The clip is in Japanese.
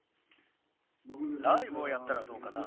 ライブをやったらどうかな？